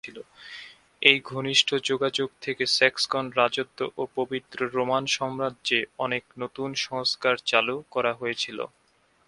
এই ঘনিষ্ঠ যোগাযোগ থেকে স্যাক্সন রাজত্ব এবং পবিত্র রোমান সাম্রাজ্যে অনেক নতুন সংস্কার চালু করা হয়েছিল।